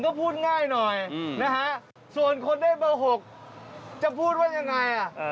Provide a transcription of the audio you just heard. เบอร์๑ก็พูดง่ายหน่อยส่วนคนได้เบอร์๖จะพูดว่ายังไง